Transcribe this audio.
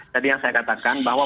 tadi yang saya katakan bahwa